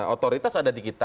otoritas ada di kita